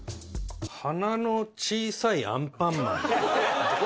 鼻の小さいアンパンマン。